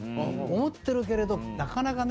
思ってるけれどなかなかね